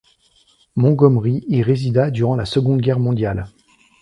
Montgomery y résida durant la Seconde Guerre mondiale.